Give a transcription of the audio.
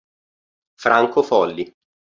Franco Folli